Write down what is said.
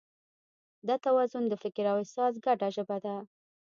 دا توازن د فکر او احساس ګډه ژبه ده.